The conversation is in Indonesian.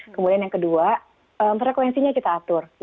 kemudian yang kedua frekuensinya kita atur